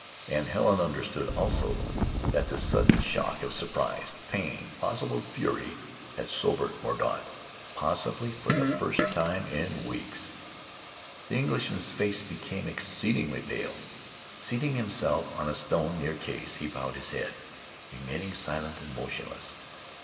And Helen understood also that the sudden shock of surprise, pain, possible fury, had sobered Mordaunt, probably for the first time in weeks. The Englishman's face became exceedingly pale. Seating himself on a stone near Case, he bowed his head, remaining silent and motionless.